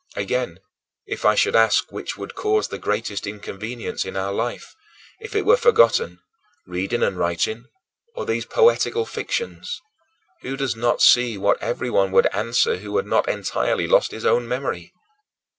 Again, if I should ask which would cause the greatest inconvenience in our life, if it were forgotten: reading and writing, or these poetical fictions, who does not see what everyone would answer who had not entirely lost his own memory?